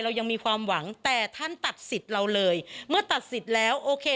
ยังมีความหวังแต่ท่านตัดสิทธิ์เราเลยเมื่อตัดสิทธิ์แล้วโอเค